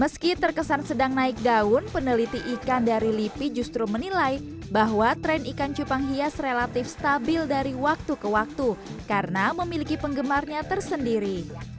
meski terkesan sedang naik daun peneliti ikan dari lipi justru menilai bahwa tren ikan cupang hias relatif stabil dari waktu ke waktu karena memiliki penggemarnya tersendiri